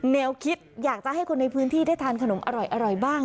แนวคิดอยากจะให้คนในพื้นที่ได้ทานขนมอร่อยบ้าง